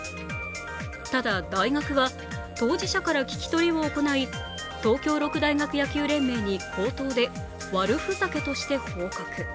ただ大学は、当事者から聞き取りを行い、東京六大学野球連盟に口頭で悪ふざけとして報告。